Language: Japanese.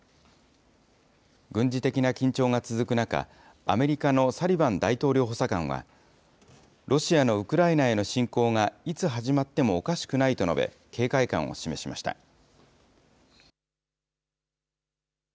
軍事的な緊張が続く中、アメリカのサリバン大統領補佐官は、ロシアのウクライナへの侵攻がいつ始まってもおかしくないと述べ、警戒感を示しました。